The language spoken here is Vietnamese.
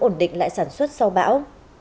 ổn định lại sản xuất sau bão